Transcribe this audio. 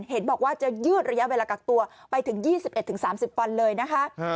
เห็นบอกว่าจะยืดระยะเวลากักตัวไปถึง๒๑๓๐วันเลยนะคะ